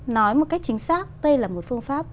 nói một cách chính xác đây là một phương pháp